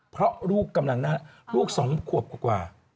เพราะลูกกำลังลูกสองขวบกว่า